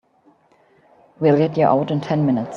We'll get you out in ten minutes.